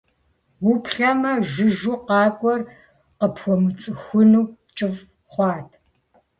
Уплъэмэ, жыжьэу къакӀуэр къыпхуэмыцӀыхуну кӀыфӀ хъуат.